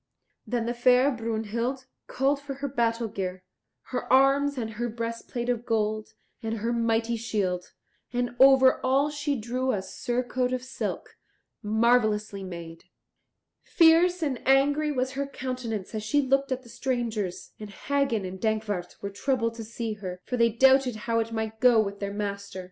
Then the fair Brunhild called for her battle gear, her arms, and her breastplate of gold and her mighty shield; and over all she drew a surcoat of silk, marvellously made. Fierce and angry was her countenance as she looked at the strangers, and Hagen and Dankwart were troubled to see her, for they doubted how it might go with their master.